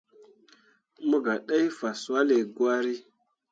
Mo gah ɗai faswulli gwari.